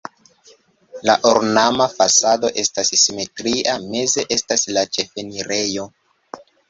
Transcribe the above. La ornama fasado estas simetria, meze estas la ĉefenirejo.